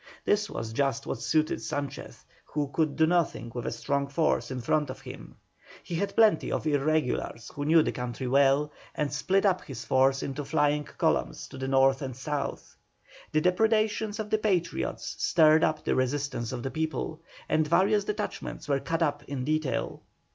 This was just what suited Sanchez, who could do nothing with a strong force in front of him. He had plenty of irregulars who knew the country well, and split up his force into flying columns to the north and south. The depredations of the Patriots stirred up the resistance of the people, and various detachments were cut up in detail.